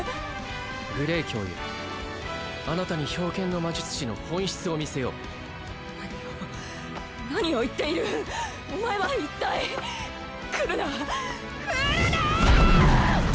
グレイ教諭あなたに冰剣の魔術師の本質を見せよう何を何を言っているお前は一体来るな来るな！